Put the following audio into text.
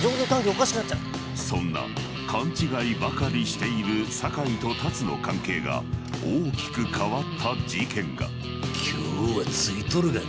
そんな勘違いばかりしている酒井と龍の関係が大きく変わった事件が今日はツイとるがな。